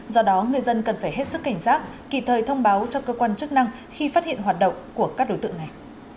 do đó người dân cần phải hết sức cảnh giác kỳ thời thông báo cho cơ quan chức năng khi phát hiện hoạt động của các đối tượng này